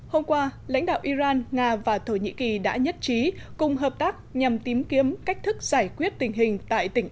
hôm qua lãnh đạo iran nga và thổ nhĩ kỳ đã nhất trí cùng hợp tác nhằm tìm kiếm cách thức giải quyết tình hình tại tỉnh